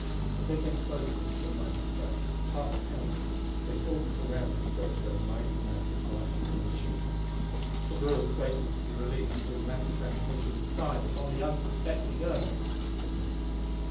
As they came closer to the mighty structure, hearts pounding, they saw that around it surged a mighty mass of Martians and machines. The hordes waiting to be released through the matter transmitter inside upon the unsuspecting earth!